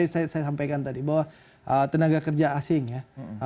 saya sampaikan tadi bahwa tenaga kerja asing ya